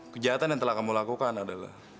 kejahatan yang telah kamu lakukan adalah